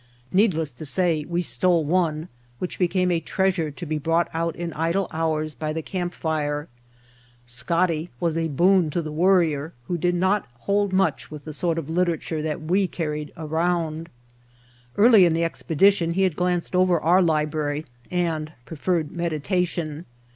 Needless to say we stole one, which became a treasure to be brought out in idle hours by the camp fire. "Scotty" was a boon to the Worrier who did not hold much with the sort of literature that we carried around. Early in [i6o] The Mountain Spring the expedition he had glanced over our library and preferred meditation.